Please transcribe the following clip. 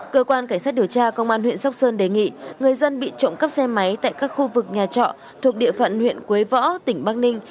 cơ quan cảnh sát điều tra công an huyện sóc sơn đề nghị người dân bị trộm cắp xe máy tại các khu vực nhà trọ thuộc địa phận huyện quế võ tỉnh bắc ninh